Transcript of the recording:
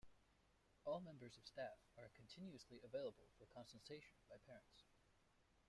All members of staff are continuously available for consultation by parents.